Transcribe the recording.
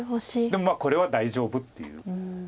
でもまあこれは大丈夫っていう。